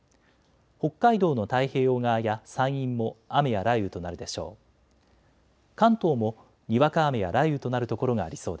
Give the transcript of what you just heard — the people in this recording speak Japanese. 北海道の太平洋側や山陰も雨や雷雨となるでしょう。